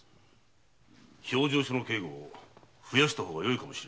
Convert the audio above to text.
評定所の警護増やした方がよいかも。